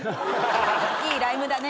いいライムだね。